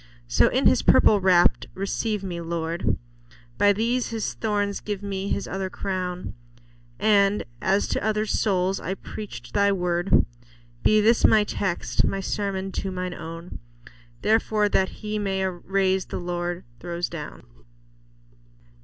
So, in His purple wrapp'd, receive me, Lord ; By these His thorns, give me His other crown ; And as to others' souls I preach'd Thy word, Be this my text, my sermon to mine own, "Therefore that He may raise, the Lord throws down."